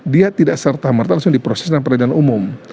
dia tidak serta merta langsung diproses dengan peradilan umum